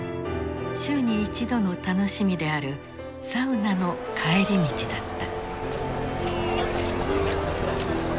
週に一度の楽しみであるサウナの帰り道だった。